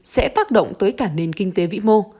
sẽ tác động tới cả nền kinh tế vĩ mô